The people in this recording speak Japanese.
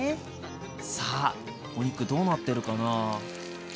さあお肉どうなってるかな？